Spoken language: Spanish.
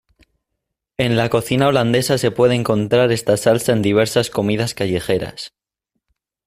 En la cocina holandesa se puede encontrar esta salsa en diversas comidas callejeras.